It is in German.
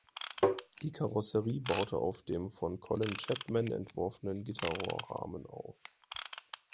Die Karosserie baute auf dem von Colin Chapman entworfenen Gitterrohrrahmen auf.